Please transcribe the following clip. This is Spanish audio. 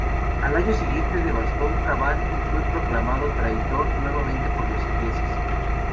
Al año siguiente devastó Cavan y fue proclamado traidor nuevamente por los ingleses.